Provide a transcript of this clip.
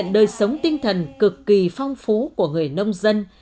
đời sống tinh thần cực kỳ phong phú và đặc sắc